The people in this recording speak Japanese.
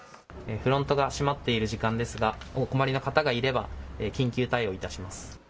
フロントが閉まっている時間ですが、お困りの方がいれば緊急対応いたします。